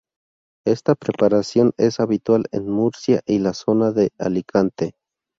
Esta preparación es habitual en Murcia y la zona de Alicante.